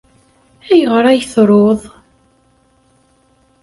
Ayɣer ay truḍ?